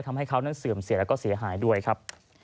ทำให้เขานั้นเสื่อมเสียแล้วก็เสียหายด้วยครับ